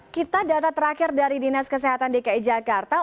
kita data terakhir dari dinas kesehatan dki jakarta